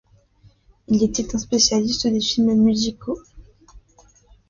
Il était un spécialiste des films musicaux.